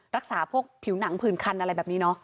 รักษาพวกผิวหนังผื่นคันอะไรแบบนี้เนาะ